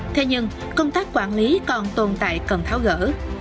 thế nhưng công tác quản lý còn tồn tại cần tháo gỡ